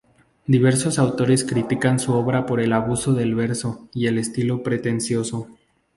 Diversos autores critican su obra por el abuso del verso y el estilo pretencioso.